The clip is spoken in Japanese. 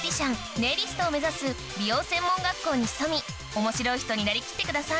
ネイリストを目指す美容専門学校に潜み面白い人になりきってください